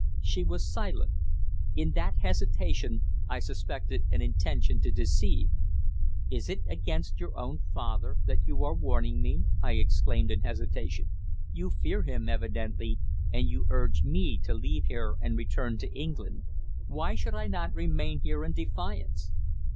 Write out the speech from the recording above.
She was silent. In that hesitation I suspected an intention to deceive. "Is it against your own father that you are warning me?" I exclaimed in hesitation. "You fear him, evidently, and you urge me to leave here and return to England. Why should I not remain here in defiance?"